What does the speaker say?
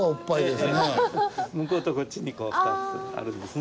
向こうとこっちに２つあるんですね。